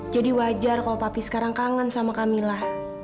jadi wajar kalau papi sekarang kangen sama kamila